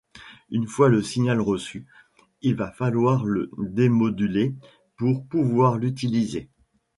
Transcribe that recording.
Une fois le signal reçu, il va falloir le démoduler pour pouvoir l'utiliser.